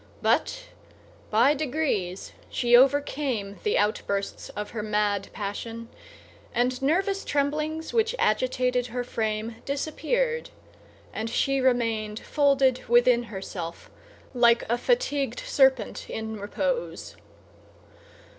But by degrees she overcame the outbursts of her mad passion; and nervous tremblings which agitated her frame disappeared, and she remained folded within herself like a fatigued serpent in repose.